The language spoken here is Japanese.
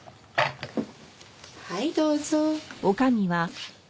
はいどうぞ。